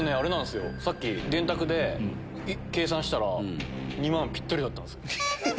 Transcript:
さっき電卓で計算したら２万ピッタリだったんです。